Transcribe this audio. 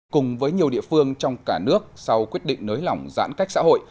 cùng với nhiều địa phương trong cả nước sau quyết định nới lỏng giãn cách xã hội